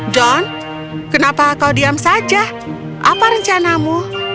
john kenapa kau diam saja apa rencanamu